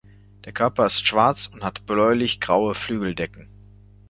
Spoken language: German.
Der Körper ist schwarz und hat bläulich graue Flügeldecken.